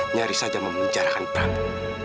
nyaris saja memujarakan prabu